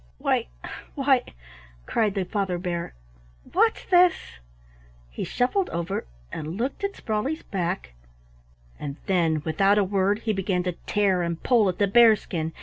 "Why! why!" cried the Father Bear, "what's this?" He shuffled over and looked at Sprawley's back, and then without a word he began to tear and pull at the bear skin.